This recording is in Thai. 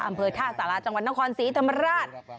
อำเภอท่าศาลาห์จังหวัชนตร์น้องคอนสีธรรมราช